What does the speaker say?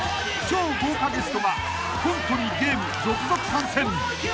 ［超豪華ゲストがコントにゲーム続々参戦］